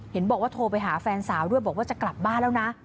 เห็นบอกว่าโทรไปหาแฟนสาวด้วยบอกว่าจะกลับบ้านแล้วนะ